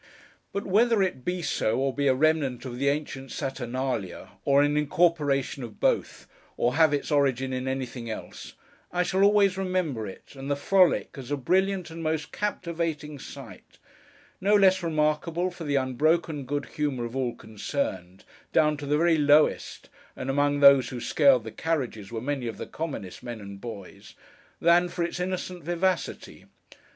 But whether it be so, or be a remnant of the ancient Saturnalia, or an incorporation of both, or have its origin in anything else, I shall always remember it, and the frolic, as a brilliant and most captivating sight: no less remarkable for the unbroken good humour of all concerned, down to the very lowest (and among those who scaled the carriages, were many of the commonest men and boys), than for its innocent vivacity.